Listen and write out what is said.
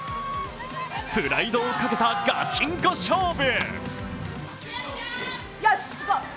プライドをかけたガチンコ勝負。